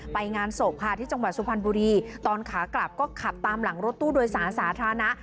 งานศพค่ะที่จังหวัดสุพรรณบุรีตอนขากลับก็ขับตามหลังรถตู้โดยสารสาธารณะ